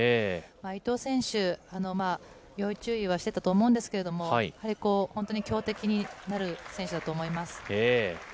伊藤選手、要注意はしてたと思うんですけれども、やはり本当に強敵になる選手だと思います。